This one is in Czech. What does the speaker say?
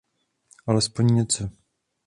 Alespoň něco.